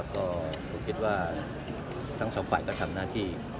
ก็ผมคิดว่าทั้งสองฝ่ายก็ทำหน้าที่